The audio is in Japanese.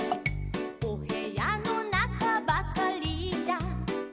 「おへやのなかばかりじゃ」